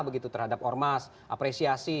begitu terhadap ormas apresiasi